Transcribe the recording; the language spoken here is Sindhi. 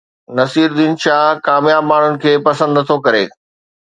نصيرالدين شاهه ڪامياب ماڻهن کي پسند نٿو ڪري